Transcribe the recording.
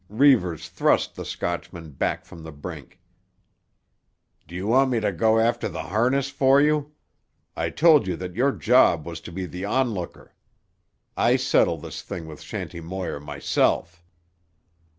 Reivers thrust the Scotchman back from the brink. "Do you want me to go after the harness for you? I told you that your job was to be the onlooker. I settle this thing with Shanty Moir myself."